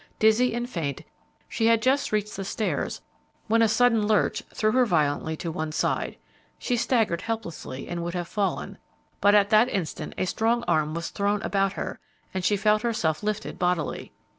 Dizzy and faint, she had just reached the stairs when a sudden lurch threw her violently to one side; she staggered helplessly and would have fallen, but at that instant a strong arm was thrown about her and she felt herself lifted bodily.